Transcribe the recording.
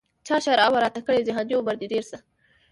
چا ښرا وه راته کړې جهاني عمر دي ډېر سه